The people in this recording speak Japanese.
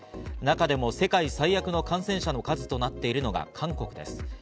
中でも世界最悪の感染者の数となっているのが韓国です。